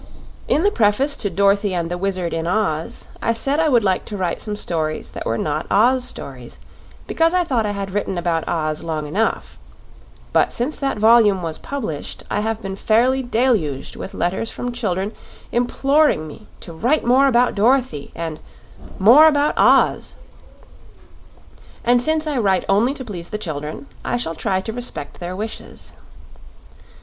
In the preface to "Dorothy and the Wizard of Oz" I said I would like to write some stories that were not "Oz" stories, because I thought I had written about Oz long enough; but since that volume was published I have been fairly deluged with letters from children imploring me to "write more about Dorothy," and "more about Oz," and since I write only to please the children I shall try to respect their wishes.